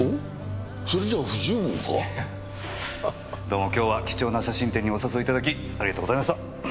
どうも今日は貴重な写真展にお誘い頂きありがとうございました。